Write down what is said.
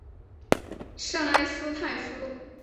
圣埃斯泰夫。